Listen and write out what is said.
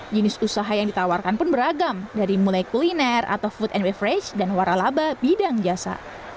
jenis usaha yang ditawarkan pun beragam dari mulai kuliner atau food and beverage dan waralaba bidang jasa